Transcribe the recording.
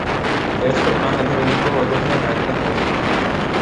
test کپتان اظہرعلی کو عہدہ سےہٹانےکا فیصلہ